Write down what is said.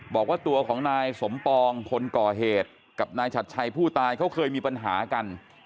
บอกว่าตัวของนายสมปองคนก่อเหตุกับนายชัดชัยผู้ตายเขาเคยมีปัญหากัน